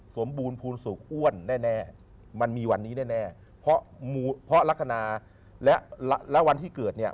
บูรณภูมิสุขอ้วนแน่มันมีวันนี้แน่เพราะลักษณะและวันที่เกิดเนี่ย